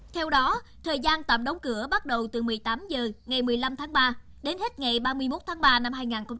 theo đó thời gian tạm đóng cửa bắt đầu từ một mươi tám h ngày một mươi năm tháng ba đến hết ngày ba mươi một tháng ba năm hai nghìn hai mươi